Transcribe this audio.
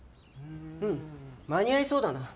うん間に合いそうだな。